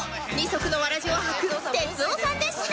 足のわらじを履く哲夫さんでした